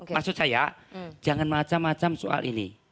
maksud saya jangan macam macam soal ini